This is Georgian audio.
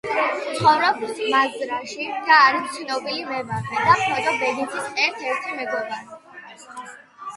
ცხოვრობს მაზრაში და არის ცნობილი მებაღე და ფროდო ბეგინსის ერთ-ერთი მეგობარი.